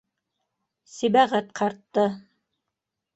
Сибәғәт ҡартты.